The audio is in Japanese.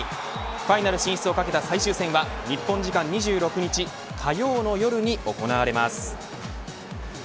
ファイナル進出をかけた最終戦は日本時間２６日火曜の夜に行われます。